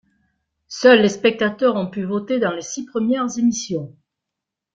Seuls les spectateurs ont pu voter dans les six premières émissions.